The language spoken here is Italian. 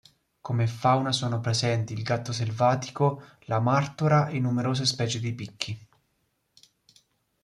Come fauna sono presenti il gatto selvatico, la martora e numerose specie di picchi.